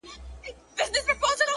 • چي د ځوانیو هدیرې وژاړم,